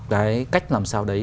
cái cách làm sao đấy